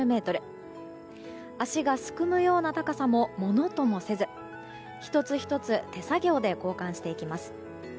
足がすくむような高さもものともせず１つ１つ手作業で交換していきます。